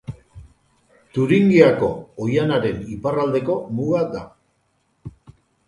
Turingiako oihanaren iparraldeko muga da.